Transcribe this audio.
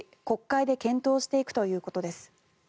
国会で検討していくということです。